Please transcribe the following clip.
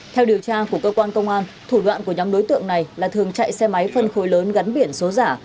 theo điều tra của cơ quan công an thủ đoạn của nhóm đối tượng này là thường chạy xe máy phân khối lớn gắn biển số giả